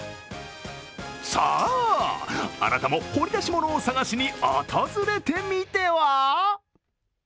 さぁ、あなたも掘り出し物を探しに訪れてみては？